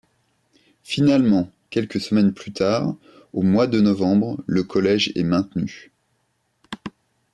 Finalement, quelques semaines plus tard, au mois de novembre, le collège est maintenu.